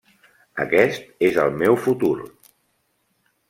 Aquest és el meu futur.